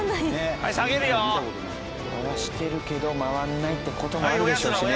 回してるけど回んないって事もあるでしょうしね。